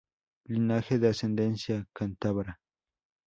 Linaje de ascendencia cántabra.